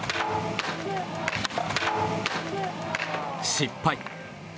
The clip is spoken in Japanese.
失敗。